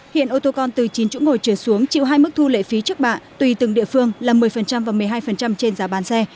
hiện ô tô con từ chín chỗ ngồi trở xuống chịu hai mức thu lệ phí trước bạ tùy từng địa phương là một mươi và một mươi hai trên giá bán xe